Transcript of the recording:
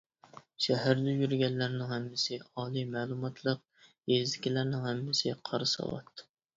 شەھەردە يۈرگەنلەرنىڭ ھەممىسى ئالىي مەلۇماتلىق، يېزىدىكىلەرنىڭ ھەممىسى قارا ساۋات.